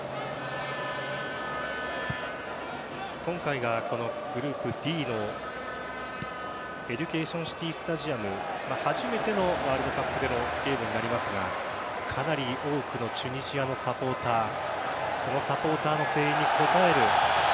今回がグループＤのエデュケーションシティースタジアム初めてのワールドカップでのゲームになりますがかなり多くのチュニジアのサポーターそのサポーターの声援に応える